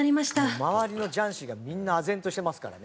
「周りの雀士がみんなあぜんとしてますからね」